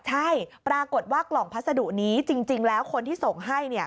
ใช่ปรากฏว่ากล่องพัสดุนี้จริงแล้วคนที่ส่งให้